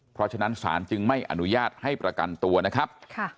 เพราะฉะนั้นศาลจึงไม่อนุญาตให้ประกันตัวนะครับ